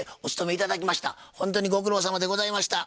ほんとにご苦労さまでございました。